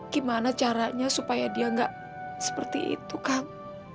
gimana caranya supaya dia nggak seperti itu kang